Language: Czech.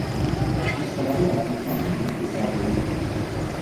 Město nabylo na významu díky své poloze.